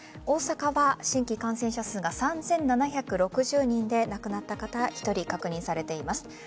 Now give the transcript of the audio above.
大阪は新規感染者数が３７６０人で亡くなった方１人確認されています。